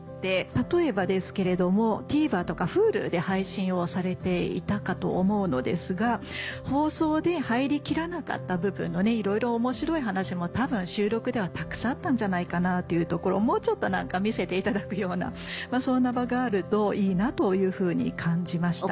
例えばですけれどもＴＶｅｒとかＨｕｌｕで配信をされていたかと思うのですが放送で入りきらなかった部分のいろいろ面白い話も多分収録ではたくさんあったんじゃないかなというところをもうちょっと見せていただくようなそんな場があるといいなというふうに感じました。